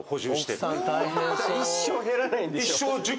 一生減らないんでしょ。